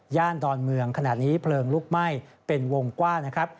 ดอนเมืองขณะนี้เพลิงลุกไหม้เป็นวงกว้างนะครับ